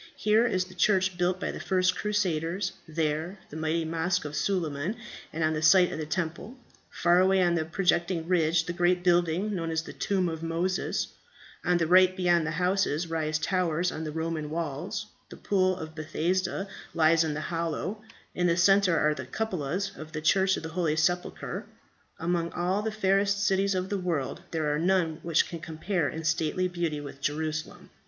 Here is the church built by the first crusaders; there the mighty mosque of Suleiman on the site of the Temple; far away on a projecting ridge the great building known as the Tomb of Moses; on the right beyond the houses rise the towers on the Roman walls; the Pool of Bethsaida lies in the hollow; in the centre are the cupolas of the Church of the Holy Sepulchre. Among all the fairest cities of the world, there are none which can compare in stately beauty with Jerusalem.